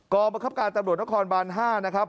ประคับการตำรวจนครบาน๕นะครับ